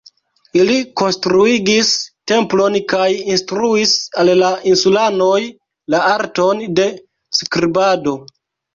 Ili konstruigis templon kaj instruis al la insulanoj la arton de skribado.